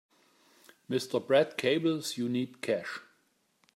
Mr. Brad cables you need cash.